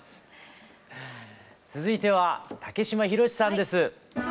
続いては竹島宏さんです。